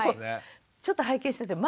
ちょっと拝見しててママ